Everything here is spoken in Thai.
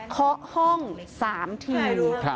คล้อห้อง๓ที